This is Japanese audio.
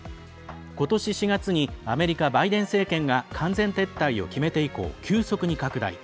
ことし４月にアメリカ、バイデン政権が完全撤退を決めて以降急速に拡大。